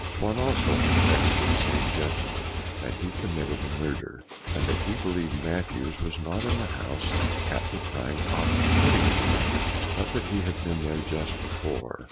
Swan also confessed to the same gentleman, "That he committed the murder." And that he believed Mathews was not in the house at the time of the committing the murder, but that he had been there just before.